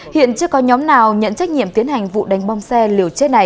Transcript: hiện chưa có nhóm nào nhận trách nhiệm tiến hành vụ đánh bom xe liều chết này